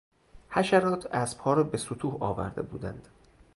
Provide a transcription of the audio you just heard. حشرات اسبها را به ستوه آورده بودند.